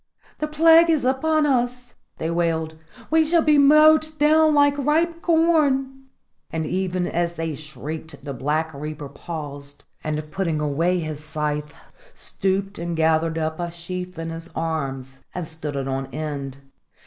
"The plague is upon us!" they wailed. "We shall be mowed down like ripe corn!" And even as they shrieked the Black Reaper paused, and, putting away his scythe, stooped and gathered up a sheaf in his arms and stood it on end.